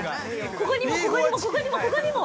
◆ここにも、ここにもここにも、ここにも。